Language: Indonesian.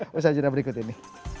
bu mujadjir rizal berikut ini